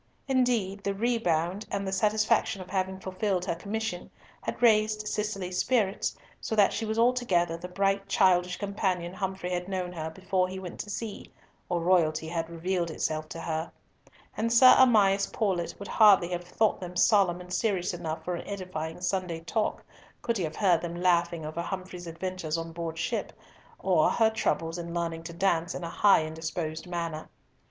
Indeed the rebound, and the satisfaction of having fulfilled her commission, had raised Cicely's spirits, so that she was altogether the bright childish companion Humfrey had known her before he went to sea, or royalty had revealed itself to her; and Sir Amias Paulett would hardly have thought them solemn and serious enough for an edifying Sunday talk could he have heard them laughing over Humfrey's adventures on board ship, or her troubles in learning to dance in a high and disposed manner.